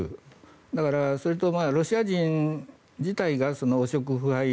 だから、それとロシア人自体が汚職・腐敗が